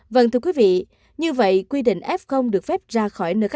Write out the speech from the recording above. vâng thưa quý vị như vậy quy định f được phép ra khỏi nơi khách sạn